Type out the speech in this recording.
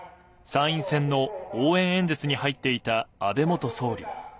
参院選の応援演説に入っていた安倍元総理。